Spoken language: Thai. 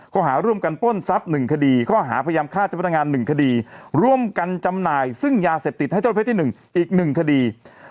ข้อหาร่วมกันป้นทรัพย์หนึ่งคดีข้อหาพยายามฆ่าเจ้าพนักงานหนึ่งคดี